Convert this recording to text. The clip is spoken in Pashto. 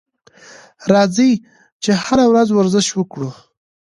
راځئ چې هره ورځ ورزش وکړو.